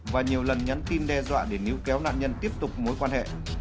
và nhiều lần nhắn tin đe dọa để níu kéo nạn nhân tiếp tục mối quan hệ